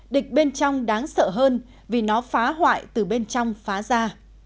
địch bên trong đáng sợ hơn vì nó phá hoại từ bên trong phá ra